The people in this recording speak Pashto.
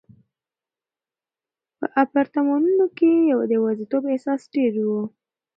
په اپارتمانونو کې د یوازیتوب احساس ډېر و.